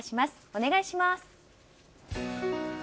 お願いします。